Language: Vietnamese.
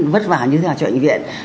vất vả như thế nào cho bệnh viện